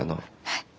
はい。